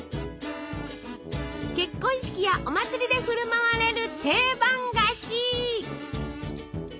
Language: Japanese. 結婚式やお祭りで振る舞われる定番菓子！